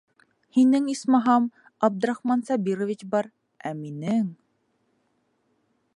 Һинең, исмаһам, Абдрахман Сабирович бар, ә минең...